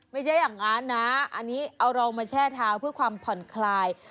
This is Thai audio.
ไม่ใช่อย่างนั้นนะอันนี้เอารองมาแช่เท้าเพื่อความผ่อนคลาย